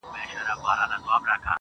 • مرمۍ اغېزه نه کوي -